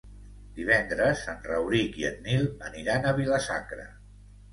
Divendres en Rauric i en Nil aniran a Vila-sacra.